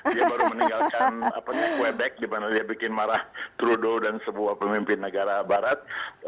dia baru meninggalkan quebek di mana dia bikin marah trudeau dan sebuah pemimpin negara barat